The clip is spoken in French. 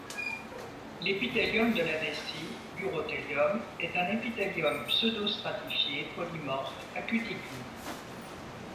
L'épithélium de la vessie, l'urothélium, est un épithélium pseudostratifié polymorphe à cuticule.